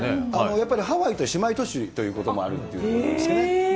やっぱりハワイと姉妹都市ということもあるんですね。